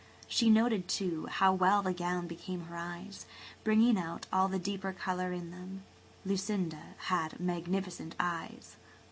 She noted, too, how well the gown became her eyes, bringing out all the deeper colour in them. Lucinda had magnificent eyes.